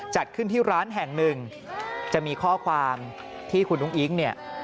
จัดขึ้นที่ร้านแห่งหนึ่งจะมีข้อความที่คุณอุ้งอิ๊งเนี่ย